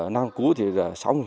năm cũ là sáu mươi